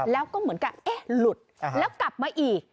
แล้วก็เหมือนกับเอ๊ะหลุดแล้วกลับมาอีก